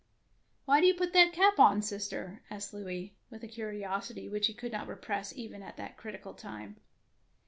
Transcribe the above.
Why do you put that cap on, sister ?" asked Louis, with a curiosity which he could not repress even at that critical time.